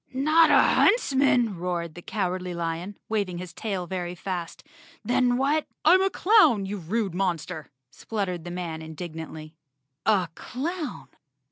"Not a huntsman?" roared the Cowardly Lion, wav¬ ing his tail very fast. "Then what—" "I'm a clown, you rude monster," spluttered the man indignantly. A clown!